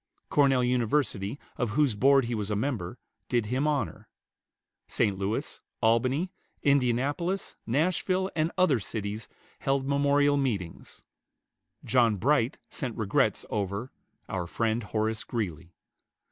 Cornell University, of whose Board he was a member, did him honor. St. Louis, Albany, Indianapolis, Nashville, and other cities held memorial meetings. John Bright sent regrets over "our friend, Horace Greeley."